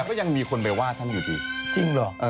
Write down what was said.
ก็ยังมีคนไปว่าท่านอยู่ดีจริงเหรอ